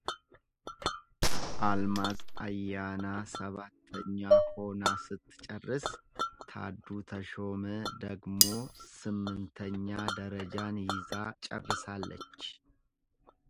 አልማዝ አያና ሰባተኛ ሆና ስትጨርስ ታዱ ተሾመ ደግሞ ስምንተኛ ደረጃን ይዛ ጨርሳለች።